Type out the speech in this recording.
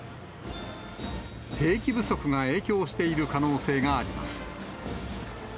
兵器不足が影響している可能性があります。